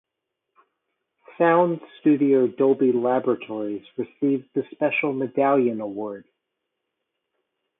Sound studio Dolby Laboratories received the Special Medallion award.